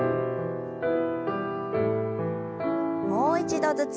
もう一度ずつ。